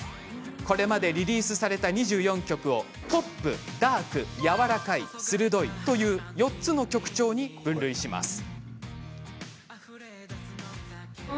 これまでリリースされた２４曲をポップ、ダークやわらかい、鋭い４つの曲調に分類します。